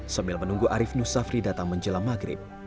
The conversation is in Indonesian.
sambil menunggu arief nusafri datang menjelang maghrib